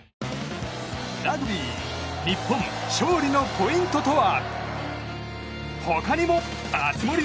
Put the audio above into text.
ラグビー日本勝利のポイントとは？